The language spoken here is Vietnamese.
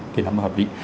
thì nó mới hợp lý